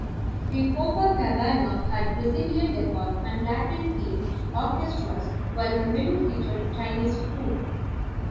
The Copacabana had Brazilian decor and Latin-themed orchestras, while the menu featured Chinese food.